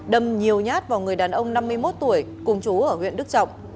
đâm nhiều nhát vào người đàn ông năm mươi một tuổi cùng chú ở huyện đức trọng